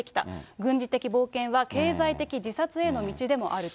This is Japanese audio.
軍事的冒険は経済的自殺への道でもあると。